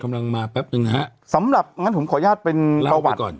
กำลังมาแป๊บหนึ่งนะฮะสำหรับงั้นผมขออนุญาตเป็นเล่าไปก่อน